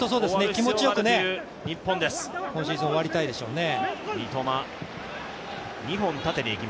気持ちよく今シーズン終わりたいでしょうね。